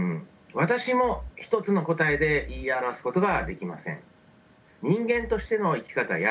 私も一つの答えで言い表すことができません。